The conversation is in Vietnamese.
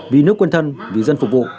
vì nước quân thân vì dân phục vụ